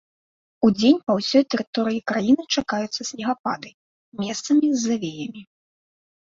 Удзень па ўсёй тэрыторыі краіны чакаюцца снегапады, месцамі з завеямі.